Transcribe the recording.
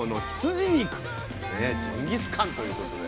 ジンギスカンということで。